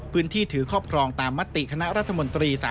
พื้นที่ถือครอบครองตามมัตติคณะรัฐมนตรี